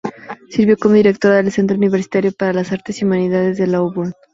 Sirvió como Directora del Centro Universitario para las Artes y Humanidades de Auburn.